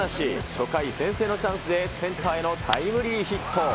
初回、先制のチャンスでセンターへのタイムリーヒット。